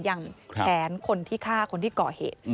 อย่างแขนคนที่ฆ่าคนที่ก่อเหตุ